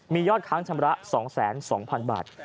มียอดค้างชำระ๒๒๐๐๐บาท